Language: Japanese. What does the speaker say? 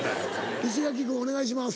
石垣君お願いします。